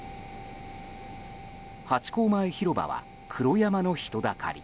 ハチ公前広場は黒山の人だかり。